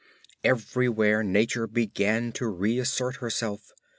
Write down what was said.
Everywhere Nature began to reassert herself.